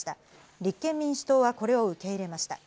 立憲民主党はこれを受け入れました。